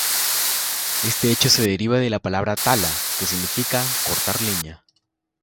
Este hecho se deriva de la palabra "Tala", que significa "cortar leña.